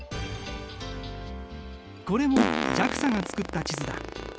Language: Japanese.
これもＪＡＸＡが作った地図だ。